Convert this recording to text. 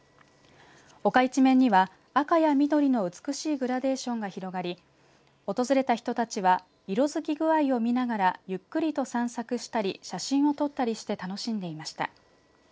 丘一面には赤や緑の美しいグラデーションが広がり訪れた人たちは色づき具合を見ながらゆっくりと散策したり写真を撮ったりして楽しんでいました。